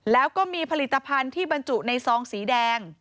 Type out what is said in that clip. แล้วก็มีผลิตภัณฑ์ที่บรรจุในซองสีแดง